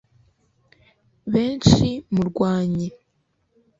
benshi murwanyi